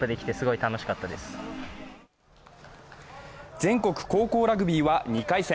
全国高校ラグビーは２回戦。